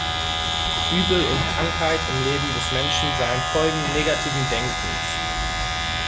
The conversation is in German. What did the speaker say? Übel und Krankheit im Leben des Menschen seien Folgen negativen Denkens.